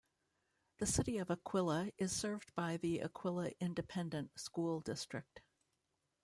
The City of Aquilla is served by the Aquilla Independent School District.